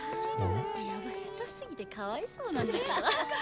やば下手すぎてかわいそうなんだけど。